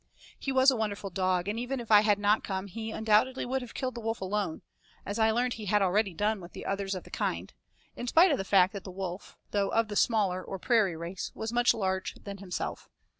He was a wonderful dog, and even if I had not come he undoubtedly would have killed the wolf alone, as I learned he had already done with others of the kind, in spite of the fact that the wolf, though of the smaller or prairie race, was much larger than himself.